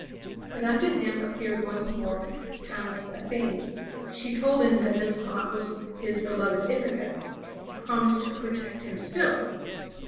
But unto him appeared once more Pallas Athene. She told him that this spot was his beloved Ith'a ca, and promised to protect him still.